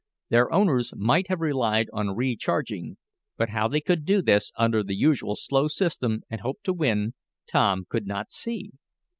Their owners might have relied on recharging, but how they could do this under the usual slow system, and hope to win, Tom could not see.